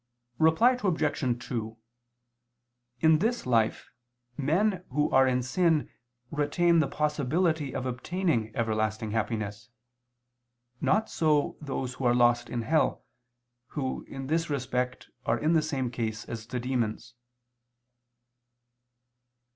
Reply Obj. 2: In this life, men who are in sin retain the possibility of obtaining everlasting happiness: not so those who are lost in hell, who, in this respect, are in the same case as the demons.